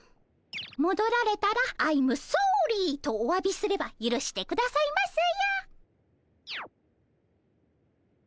もどられたらアイムソーリーとおわびすればゆるしてくださいますよ。